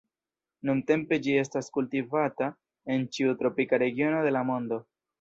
Nuntempe ĝi estas kultivata en ĉiu tropika regiono de la mondo.